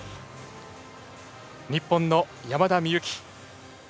日本の山田美幸。